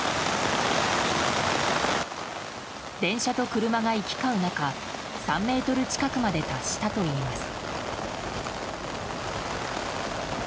電車と車が行き交う中３ｍ近くまで達したといいます。